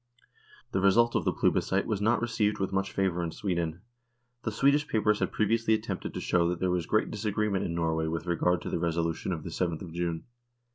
The result of the plebiscite was not received with much favour in Sweden. The Swedish papers had previously attempted to show that there was great THE DISSOLUTION OF THE UNION 143 disagreement in Norway with regard to the resolution of the 7th of June.